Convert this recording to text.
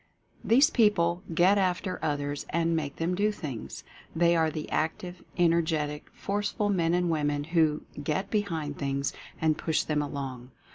These people "get after" others and make them do things. They are the active, energetic, forceful men and women who "get behind things" and push them along.